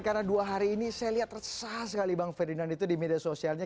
karena dua hari ini saya lihat resah sekali bang ferdinand itu di media sosialnya